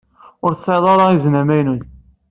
Ur tesɛiḍ ara izen amaynut.